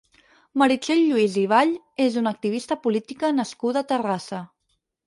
Meritxell Lluís i Vall és una activista política nascuda a Terrassa.